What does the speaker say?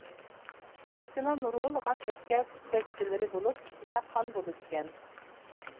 ئۆپكىنىڭ نۇرغۇنلىغان ئۆپكە پۈۋەكچىلىرى بولۇپ ئىچىدە قان بولىدىكەن.